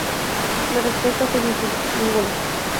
La respuesta fue sencilla: Ninguna.